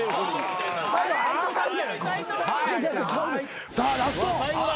さあラスト。